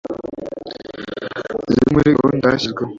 zimwe muri gahunda zashyizweho